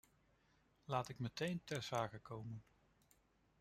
Laat ik meteen ter zake komen.